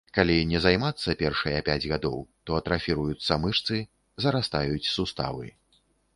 Калі не займацца першыя пяць гадоў, то атрафіруюцца мышцы, зарастаюць суставы.